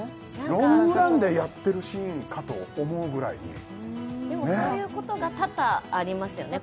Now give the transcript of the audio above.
ロングランでやってるシーンかと思うぐらいにでもそういうことが多々ありますよね